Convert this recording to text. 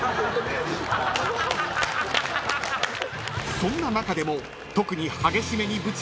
［そんな中でも特に］